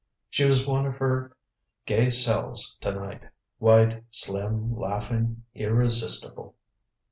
She was one of her gay selves to night, white, slim, laughing, irresistible.